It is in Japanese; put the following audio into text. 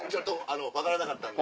分からなかったんで。